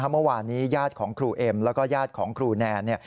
เมื่อวานนี้ญาติของครูเอ็มแล้วก็ญาติของครูแนน